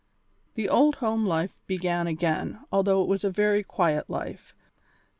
The old home life began again, although it was a very quiet life.